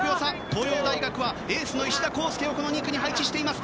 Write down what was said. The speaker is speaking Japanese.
東洋大学はエースの石田洸介をこの２区に配置しています。